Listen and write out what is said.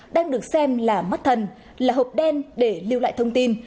đang được xem là mắt thần là hộp đen để lưu lại thông tin